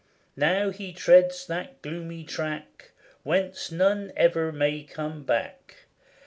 Now he treads that gloomy track. Whence none ever may come back.